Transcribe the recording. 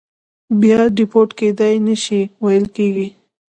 بیا دیپورت کېدای نه شي ویل کېږي.